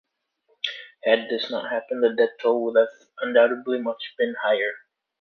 Had this not happened, the death toll would have undoubtedly been much higher.